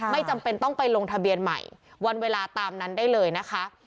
ไม่จำเป็นต้องไปลงทะเบียนใหม่วันเวลาตามนั้นได้เลยนะคะ